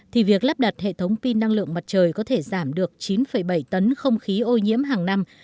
thì việc lắp đặt hệ thống pin năng lượng mặt trời có thể giảm được chín bảy tấn không khí ô nhiễm hàng năm